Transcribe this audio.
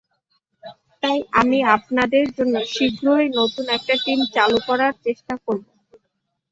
তাই আমি আপনাদের জন্য শীঘ্রই নতুন একটা টিম চালু করার চেষ্টা করব।